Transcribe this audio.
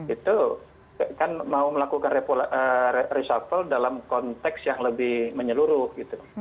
itu kan mau melakukan reshuffle dalam konteks yang lebih menyeluruh gitu